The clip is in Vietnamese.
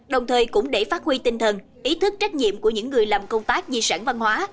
đồng thời cũng để phát huy tinh thần ý thức trách nhiệm của những người làm công tác di sản văn hóa